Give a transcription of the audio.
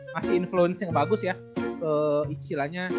masih influence nya yang bagus ya ke iqilah nya